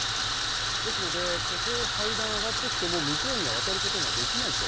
ですので、ここを、階段を上がってきても向こうに渡ることができないと。